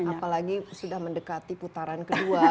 apalagi sudah mendekati putaran kedua